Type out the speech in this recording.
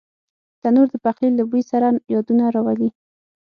تنور د پخلي له بوی سره یادونه راولي